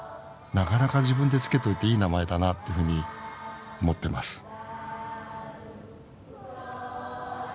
なかなか自分で付けといていい名前だなっていうふうに思ってます。